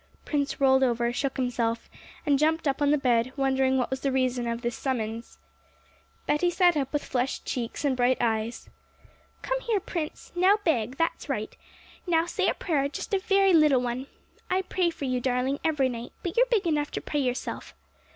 Prince rolled over, shook himself, and jumped up on the bed, wondering what was the reason of this summons. Betty sat up with flushed cheeks and bright eyes. 'Come here. Prince! Now beg! that's right. Now say a prayer; just a very little one. I pray for you, darling, every night; but you're big enough to pray yourself.